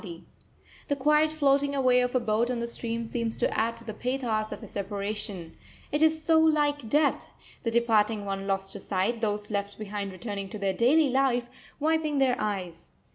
] The quiet floating away of a boat on the stream seems to add to the pathos of a separation it is so like death the departing one lost to sight, those left behind returning to their daily life, wiping their eyes.